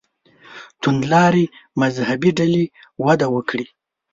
توندلارې مذهبي ډلې وده وکړي.